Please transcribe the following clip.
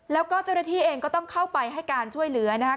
แล้วก็เจ้าหน้าที่เองก็ต้องเข้าไปให้การช่วยเหลือนะคะ